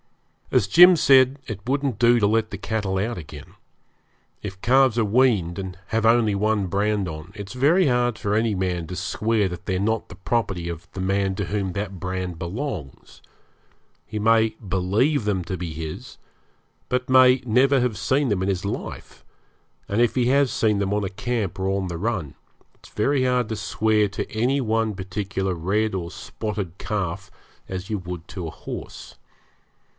As Jim said, it wouldn't do to let the cattle out again. If calves are weaned, and have only one brand on, it is very hard for any man to swear that they are not the property of the man to whom that brand belongs. He may believe them to be his, but may never have seen them in his life; and if he has seen them on a camp or on the run, it's very hard to swear to any one particular red or spotted calf as you would to a horse.